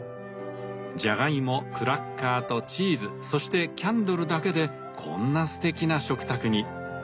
ジャガイモクラッカーとチーズそしてキャンドルだけでこんなすてきな食卓に。